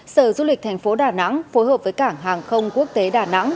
sở du lịch thành phố đà nẵng phối hợp với cảng hàng không quốc tế đà nẵng